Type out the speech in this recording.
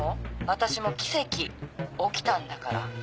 私も奇跡起きたんだから。